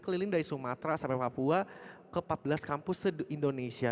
keliling dari sumatera sampai papua ke empat belas kampus se indonesia